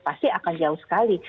pasti akan jauh sekali